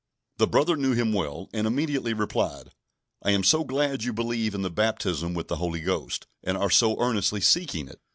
The brother knew him well, and immediately replied: "I am so glad you believe in the baptism with the Holy Ghost, and are so earnestly seeking it.